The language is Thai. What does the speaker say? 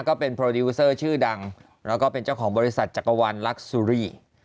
ก็เป็นโปรดิวเซอร์ชื่อดังแล้วก็เป็นเจ้าของบริษัทจักรวรรณลักซูรี